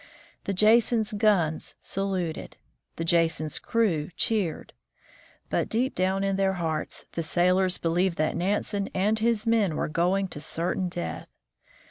The Jason's guns saluted; the Jason's crew cheered. But deep down in their hearts the sailors believed that Nansen and his men were going to certain death.